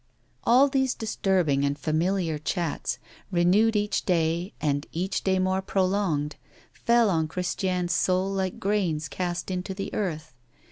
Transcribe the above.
All these disturbing and familiar chats, renewed each day and each day more prolonged, fell on Christiane's soul like grains cast into the earth.